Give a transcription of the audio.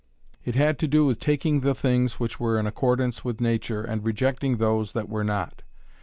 It had to do with taking the things which were in accordance with nature and rejecting those that were not.